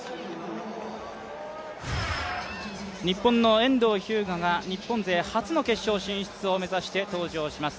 日本の遠藤日向が日本勢初の決勝進出を目指して登場します。